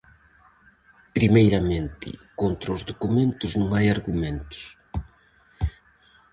Primeiramente, contra os documentos non hai argumentos.